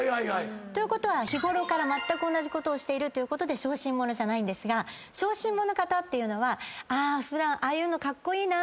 ということは日ごろから同じことをしてるということで小心者じゃないんですが小心者の方っていうのは普段ああいうのカッコイイな。